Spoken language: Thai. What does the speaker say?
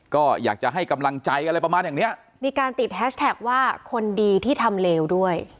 ก็อยากจะให้กำลังใจอะไรประมาณอย่างเนี้ยมีการติดแฮชแท็กว่าคนดีที่ทำเลวด้วย